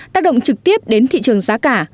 tác động trực tiếp đến thị trường giá cả